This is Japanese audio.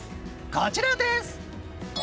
こちらです。